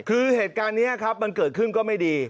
คือเหตุการณ์นี้ครับมันเกิดขึ้นก็ไม่ดี